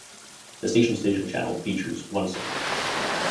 The station's digital channel features one signal.